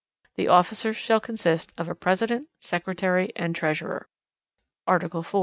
The officers shall consist of a President, Secretary, and Treasurer. Article 4.